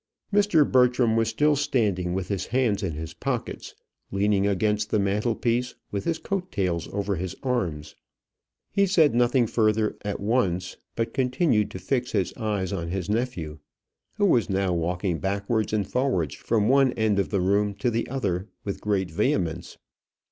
Mr. Bertram was still standing with his hands in his pockets, leaning against the mantel piece, with his coat tails over his arms. He said nothing further at once, but continued to fix his eyes on his nephew, who was now walking backwards and forwards from one end of the room to the other with great vehemence.